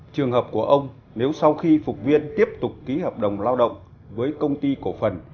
trường hợp của ông nếu sau khi phục viên tiếp tục ký hợp đồng lao động với công ty cổ phần